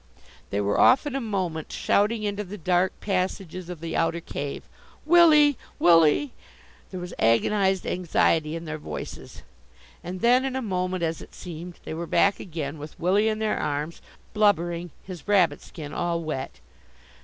They were off in a moment, shouting into the dark passages of the outer cave: "Willie! Willie!" There was agonized anxiety in their voices. And then in a moment, as it seemed, they were back again, with Willie in their arms, blubbering, his rabbit skin all wet.